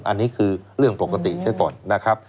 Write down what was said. อันนี้คือเรื่องปกติซะก่อนนะครับ